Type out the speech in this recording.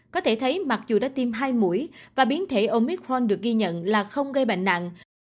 có thể thấy mặc dù đã tiêm hai mũi và biến thể omitforn được ghi nhận là không gây bệnh nặng